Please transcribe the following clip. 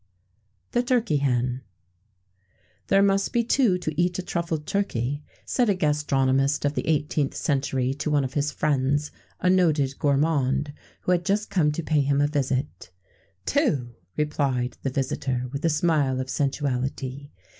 [XVII 101] THE TURKEY HEN. "There must be two to eat a truffled turkey," said a gastronomist of the 18th century, to one of his friends a noted gourmand who had just come to pay him a visit. "Two!" replied the visitor, with a smile of sensuality.